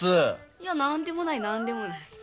いや何でもない何でもない。